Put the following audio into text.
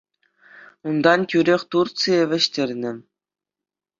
Унтан тӳрех Турцие вӗҫтернӗ.